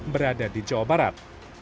berada di jawa barat